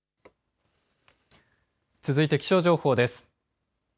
続いて気象情報です。